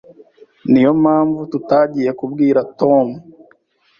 Niyo mpamvu tutagiye kubwira Tom.